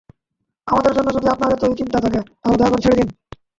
আমাদের জন্য যদি আপনার এতোই চিন্তা থাকে, তাহলে দয়া করে ছেড়ে দিন।